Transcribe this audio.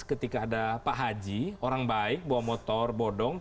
ketika ada pak haji orang baik bawa motor bodong